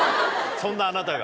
そんなあなたが。